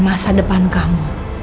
masa depan kamu